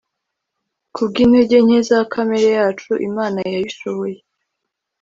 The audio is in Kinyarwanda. kubw intege nke za kamere yacu imana yabishohoje